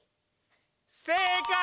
せいかい！